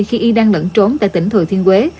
khi y đang lẫn trốn tại tỉnh thừa thiên huế